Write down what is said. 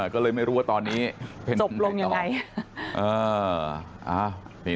ก็เลยไม่รู้ว่าตอนนี้จบลงยังไง